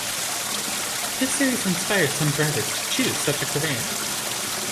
His series inspired some drivers to choose such a career.